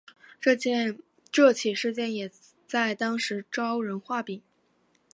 这起事件也在当时招人话柄。